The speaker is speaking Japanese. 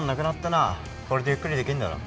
これでゆっくりできんだろ。